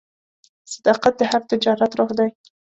صداقت د هر تجارت روح دی.